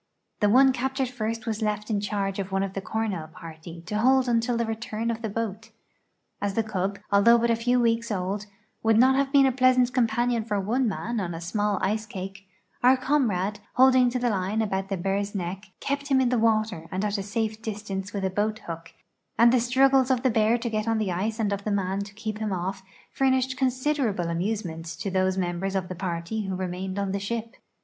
The one captured first was left in charge of one of the Cornell party to hold until the return of the boat. As the cub, although but a few weeks old, would not have been a pleasant companion for one man on a small ice cake, our comrade, holding to the line about the bear's neck, kept him in the water and at a safe distance with a boat hook, and the strug gles of the bear to get on the ice and of the man to keep him off furnished considerable amusement to those members of the part}' who remained on the ship.